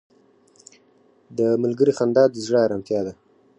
• د ملګري خندا د زړه ارامتیا ده.